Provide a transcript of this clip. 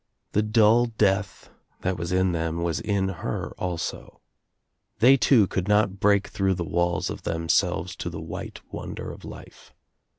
The dull death that was in them was in her also. They too could not break through the walls of themselves to the white wonder of life.